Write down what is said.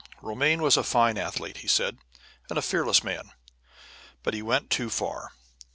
"Romaine was a fine athlete," said he, "and a fearless man, but he went too far.